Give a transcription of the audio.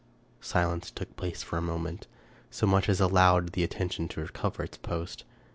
Silence took place for a moment : so much as allowed the attention to recover its post.